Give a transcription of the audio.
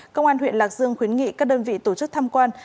công an huyện lạc dương khuyến nghị các đơn vị tổ chức tham quan